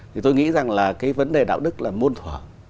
thì tôi nghĩ rằng là cái vấn đề đạo đức là môn thỏa